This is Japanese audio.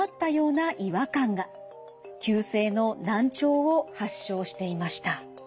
急性の難聴を発症していました。